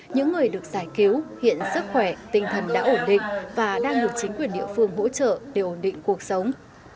những người được giải cứu hiện sức khỏe tinh thần đã ổn định và đang được chính quyền địa phương hỗ trợ để ổn định cuộc sống